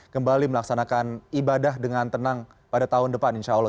kembali melaksanakan ibadah dengan tenang pada tahun depan insyaallah